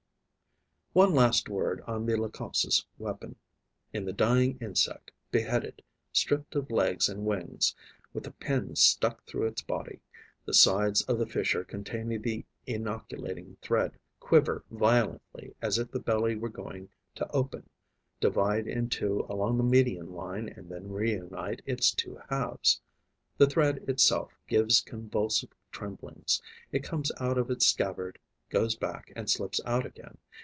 One last word on the Leucopsis' weapon. In the dying insect, beheaded, stripped of legs and wings, with a pin stuck through its body, the sides of the fissure containing the inoculating thread quiver violently, as if the belly were going to open, divide in two along the median line and then reunite its two halves. The thread itself gives convulsive tremblings; it comes out of its scabbard, goes back and slips out again.